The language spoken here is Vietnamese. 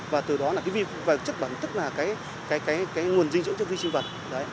và từ đó là cái chất bẩn tức là cái nguồn dinh dưỡng trong vi sinh vật